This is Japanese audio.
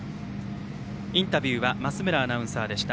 インタビューは増村アナウンサーでした。